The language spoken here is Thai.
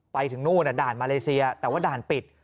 ไปถึงนู่นด่านมาเลเซียแต่ว่าด่านปิด